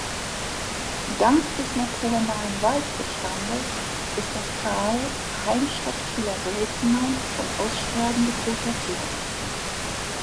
Dank des naturnahen Waldbestandes ist das Tal Heimstatt vieler seltener, vom Aussterben bedrohter Tierarten.